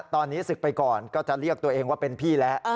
ตอนนี้ศึกไปก่อนก็จะเรียกตัวเองว่าเป็นพี่แล้ว